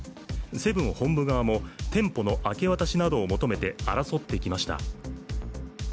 セブン本部側も店舗の明け渡しなどを求めて争ってきました。